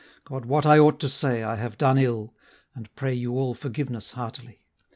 God wot I ought to say, I have done ill, And pray you all forgiveness heartily!